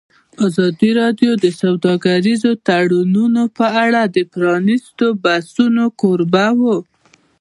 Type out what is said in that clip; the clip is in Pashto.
ازادي راډیو د سوداګریز تړونونه په اړه د پرانیستو بحثونو کوربه وه.